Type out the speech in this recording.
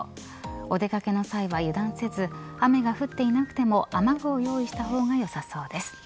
お出掛けの際は油断せず雨が降っていなくても雨具を用意したほうがよさそうです。